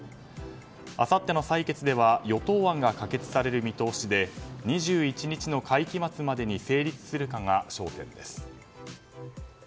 あさっての採決では与党案が可決される見通しで２１日の会期末までに成立するかが焦点です。